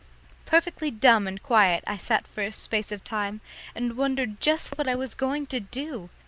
Perfectly dumb and quiet I sat for a space of time and wondered just what I was going to do.